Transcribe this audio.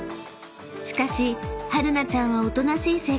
［しかしはるなちゃんは］